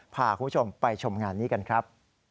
พาคุณผู้ชมไปชมงานนี้กันครับ